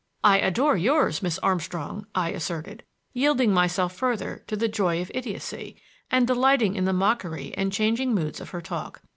"I adore yours, Miss Armstrong," I asserted, yielding myself further to the joy of idiocy, and delighting in the mockery and changing moods of her talk.